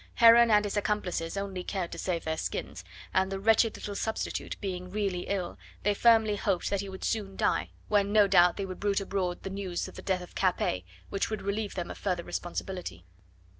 Heron and his accomplices only cared to save their skins, and the wretched little substitute being really ill, they firmly hoped that he would soon die, when no doubt they would bruit abroad the news of the death of Capet, which would relieve them of further responsibility.